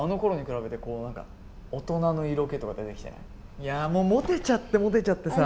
いやもうモテちゃってモテちゃってさ。